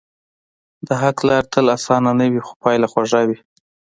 د حق لار تل آسانه نه وي، خو پایله خوږه وي.